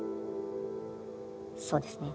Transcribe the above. そうですね。